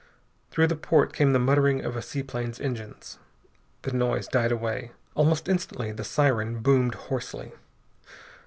Through the port came the muttering of a seaplane's engines. The noise died away. Almost instantly the siren boomed hoarsely.